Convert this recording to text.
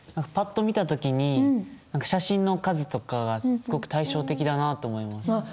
パッと見た時に写真の数とかがすごく対照的だなと思いました。